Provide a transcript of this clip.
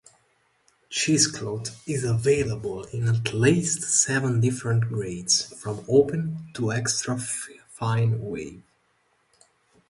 Cheesecloth is available in at least seven different grades, from open to extra-fine weave.